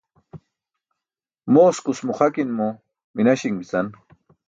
Mooskus muxakinmo minaśiṅ bican.